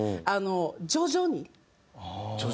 徐々に。